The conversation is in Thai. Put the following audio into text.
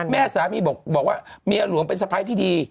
แม่สามีบอกว่าเมียหลวงเป็นสะพ้ายที่ดี